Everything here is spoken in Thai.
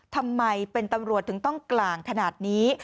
ทำไมเป็นตำรวจถึงต้องกลางขนาดนี้